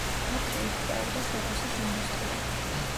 ადრე იქ ყვაოდა ქოქოსის ინდუსტრია.